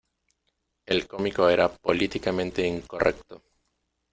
El cómico era políticamente incorrecto.